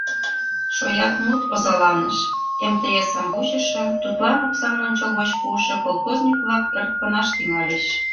Шояк мут озаланыш, МТС-ым вучышо, тудлан оксам ончылгоч пуышо колхозник-влак ӧрткынаш тӱҥальыч.